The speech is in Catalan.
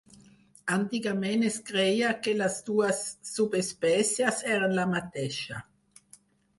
Antigament es creia que les dues subespècies eren la mateixa.